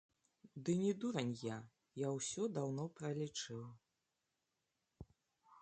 Ды не дурань я, я ўсё даўно пралічыў.